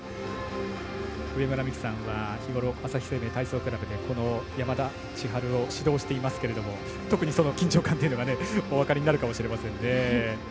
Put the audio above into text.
上村美揮さんは日ごろ、朝日生命体操クラブで山田千遥を指導されていますが特に緊張感というのがお分かりになるかもしれませんね。